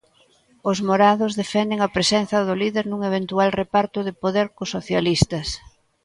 Os morados defenden a presenza do líder nun eventual reparto de poder cos socialistas.